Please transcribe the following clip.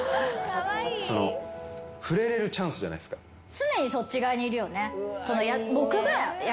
常にそっち側にいるよね。